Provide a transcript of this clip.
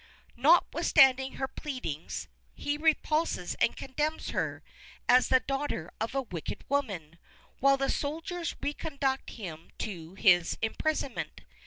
Notwithstanding her pleadings, he repulses and condemns her as the daughter of a wicked woman, while the soldiers reconduct him to his imprisonment.